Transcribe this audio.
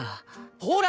ほら！